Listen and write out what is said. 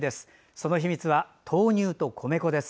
その秘密は豆乳と米粉です。